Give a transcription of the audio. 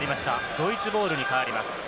ドイツボールに変わります。